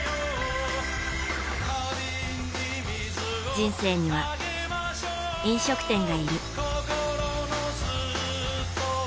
人生には、飲食店がいる。